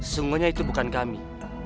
sesungguhnya itu bukan kami